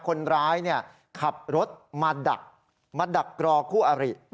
คนร้ายขับรถมาดักรอคู่อริ